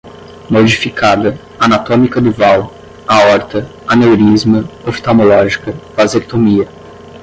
modificada, anatômica duval, aorta, aneurisma, oftalmológica, vasectomia